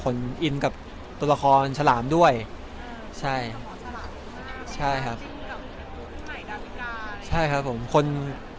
คนมีชอบมากก็แบบมีเกียร์หมอฉลามเหมือนกันนะฮะ